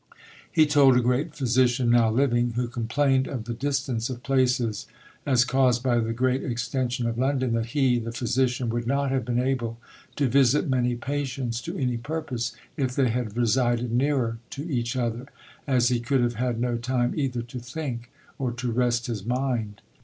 He told a great physician, now living, who complained of the distance of places, as caused by the great extension of London, that 'he (the physician) would not have been able to visit many patients to any purpose, if they had resided nearer to each other; as he could have had no time either to think or to rest his mind.'"